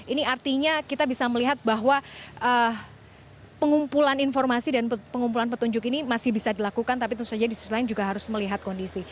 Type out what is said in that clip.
ini artinya kita bisa melihat bahwa pengumpulan informasi dan pengumpulan petunjuk ini masih bisa dilakukan tapi tentu saja di sisi lain juga harus melihat kondisi